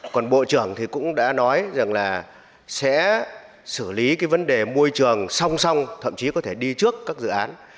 còn bộ trưởng thì cũng đã nói rằng là sẽ xử lý cái vấn đề môi trường song song thậm chí có thể đi trước các dự án